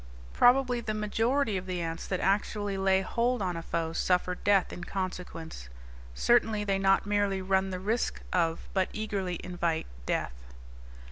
Probably the majority of the ants that actually lay hold on a foe suffer death in consequence; certainly they not merely run the risk of but eagerly invite death.